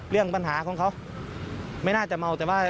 เรื่องปัญหาของเขาไม่น่าจะเมาแต่ว่า